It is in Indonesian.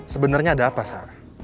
sebenernya ada apa sa